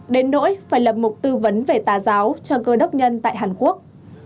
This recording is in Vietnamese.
đến nỗi phải lập mục tư vấn về tà giáo cho cơ đốc nhân tại hàn quốc